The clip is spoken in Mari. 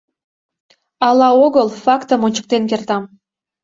— «Ала» огыл, фактым ончыктен кертам.